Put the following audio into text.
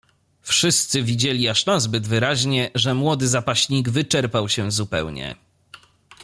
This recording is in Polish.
"Wszyscy widzieli aż nazbyt wyraźnie, że młody zapaśnik wyczerpał się zupełnie."